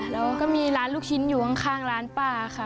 แล้วก็มีร้านลูกชิ้นอยู่ข้างร้านป้าค่ะ